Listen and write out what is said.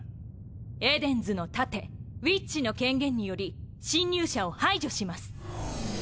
エデンズの盾ウィッチの権限により侵入者を排除します。